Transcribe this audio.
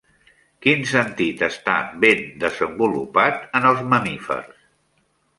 Quin sentit està ben desenvolupat en els mamífers?